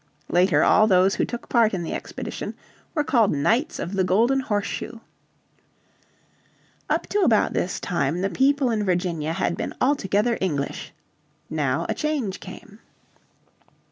Later all those who took part in the expedition were called Knights of the Golden Horseshoe. Up to about this time the people in Virginia had been altogether English. Now a change came.